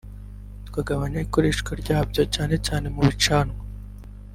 tukanagabanya ikoreshwa ryabyo cyane cyane mu bicanwa